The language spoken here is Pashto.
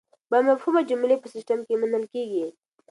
بامفهومه جملې په سیسټم کې منل کیږي.